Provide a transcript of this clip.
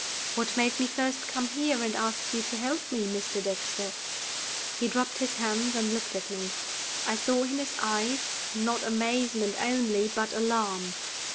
"What made me first come here and ask you to help me, Mr. Dexter?" He dropped his hands, and looked at me. I saw in his eyes, not amazement only, but alarm.